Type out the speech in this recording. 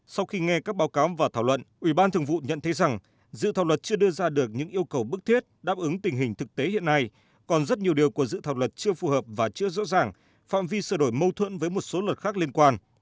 sau khi nghe các báo cáo và thảo luận ủy ban thường vụ nhận thấy rằng dự thảo luật chưa đưa ra được những yêu cầu bức thiết đáp ứng tình hình thực tế hiện nay còn rất nhiều điều của dự thảo luật chưa phù hợp và chưa rõ ràng phạm vi sửa đổi mâu thuẫn với một số luật khác liên quan